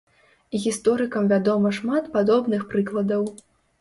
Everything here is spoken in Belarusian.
Гісторыкам вядома шмат падобных прыкладаў.